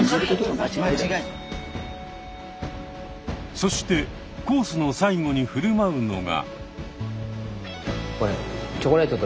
そしてコースの最後に振る舞うのが。